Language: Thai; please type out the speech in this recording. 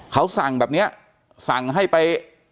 เขาสั่งแบบนี้สั่งให้ไป